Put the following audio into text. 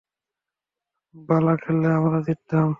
বালা খেললে আমরাই জিততাম।